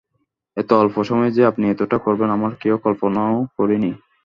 এত অল্প সময়ে যে আপনি এতটা করবেন, আমরা কেউ কল্পনাও করি নি।